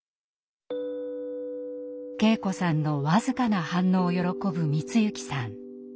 圭子さんの僅かな反応を喜ぶ光行さん。